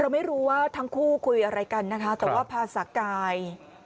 ไม่รู้ว่าทั้งคู่คุยอะไรกันนะคะแต่ว่าภาษากาย